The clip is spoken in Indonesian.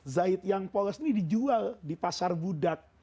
zaid yang polos ini dijual di pasar budak